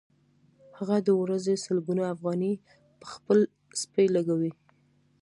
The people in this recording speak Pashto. هغه د ورځې سلګونه افغانۍ په خپل سپي لګوي